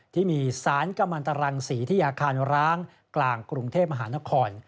ที่มีสารกมันตรังศรีที่อาคารร้างกลางกรุงเทพมหานคร